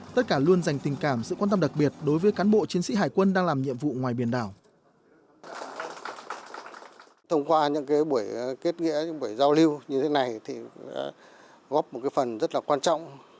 tất cả luôn dành tình cảm sự quan tâm đặc biệt đối với cán bộ chiến sĩ hải quân đang làm nhiệm vụ ngoài biển đảo